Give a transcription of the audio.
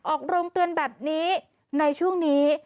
ออกโรงเตือนแบบนี้ในช่วงนี้